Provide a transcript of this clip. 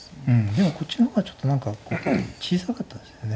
でもこっちの方がちょっと何か今回小さかったですよね。